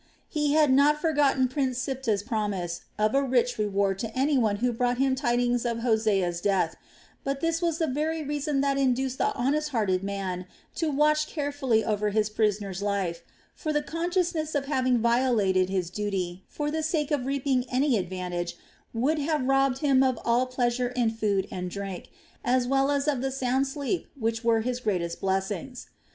He had not forgotten Prince Siptah's promise of a rich reward to any one who brought him tidings of Hosea's death, but this was the very reason that induced the honest hearted man to watch carefully over his prisoner's life; for the consciousness of having violated his duty for the sake of reaping any advantage would have robbed him of all pleasure in food and drink, as well as of the sound sleep which were his greatest blessings.